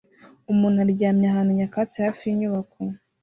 Umuntu aryamye ahantu nyakatsi hafi yinyubako